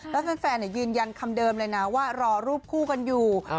แล้วแฟนยืนยันคำเดิมเลยนะว่ารอรูปคู่กันอยู่